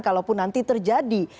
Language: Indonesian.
kalaupun nanti terjadi